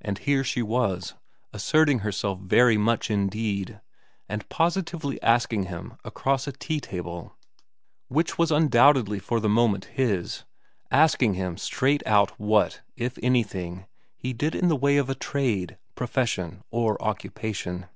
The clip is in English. And here she was asserting herself very much indeed, and positively asking him across a tea table which was undoubtedly for the moment his, asking him straight out what, if anything, he did in the way of a trade, profession or occupation.